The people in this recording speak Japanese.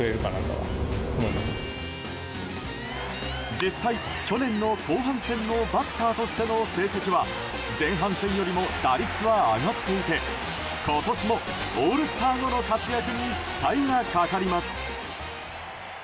実際、去年の後半戦のバッターとしての成績は前半戦よりも打率は上がっていて今年もオールスター後の活躍に期待がかかります。